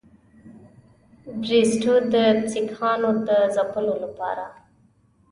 بریسټو د سیکهانو د ځپلو لپاره.